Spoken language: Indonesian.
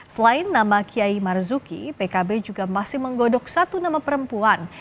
selain nama kiai marzuki pkb juga masih menggodok satu nama perempuan